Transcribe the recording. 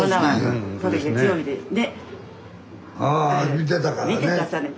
見てたさね。